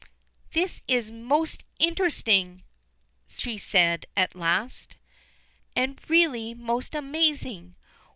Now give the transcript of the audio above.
"This is most interesting," she said at last, "and really most amazing.